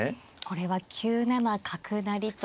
これは９七角成と。